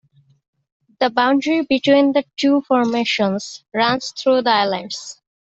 The boundary between the two formations runs through the islands.